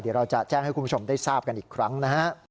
เดี๋ยวเราจะแจ้งให้คุณผู้ชมได้ทราบกันอีกครั้งนะฮะ